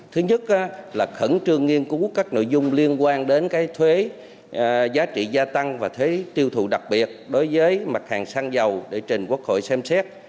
thứ nhất là khẩn trương nghiên cứu các nội dung liên quan đến thuế giá trị gia tăng và thuế tiêu thụ đặc biệt đối với mặt hàng xăng dầu để trình quốc hội xem xét